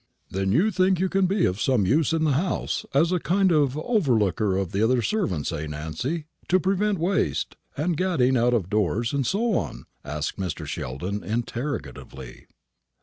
"Then you think you can be of some use in the house, as a kind of overlooker of the other servants, eh, Nancy to prevent waste, and gadding out of doors, and so on?" said Mr. Sheldon, interrogatively.